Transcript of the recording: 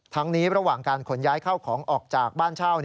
ทั้งนี้ระหว่างการขนย้ายเข้าของออกจากบ้านเช่า